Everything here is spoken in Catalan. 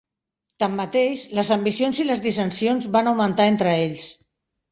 Tanmateix, les ambicions i les dissensions van augmentar entre ells.